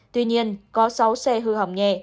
tuy nhiên có sáu xe hư hỏng nhẹ